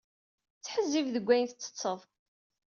Ttḥezzib deg wayen tettetteḍ.